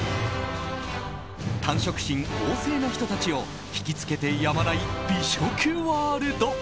探食心旺盛な人たちをひきつけてやまない美食ワールド